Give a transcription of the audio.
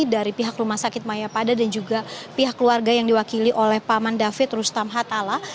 dari pihak rumah sakit mayapada dan juga pihak keluarga yang diwakili oleh paman david rustam hatala